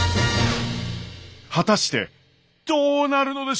果たしてどうなるのでしょう。